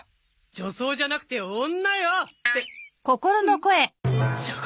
女装じゃなくて女よ！ってうっ！？